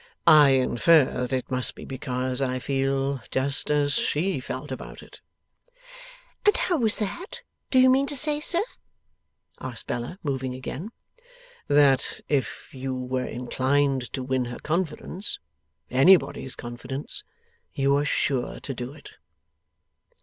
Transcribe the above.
'I infer that it must be because I feel just as she felt about it.' 'And how was that, do you mean to say, sir?' asked Bella, moving again. 'That if you were inclined to win her confidence anybody's confidence you were sure to do it.